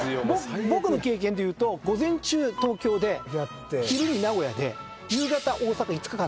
僕の経験で言うと午前中東京で昼に名古屋で夕方大阪５日間とかですよ。